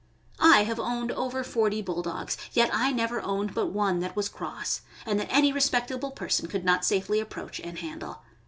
I have owned over forty Bulldogs, yet I never owned but one that was cross, and that any respectable person could not safely approach and handle.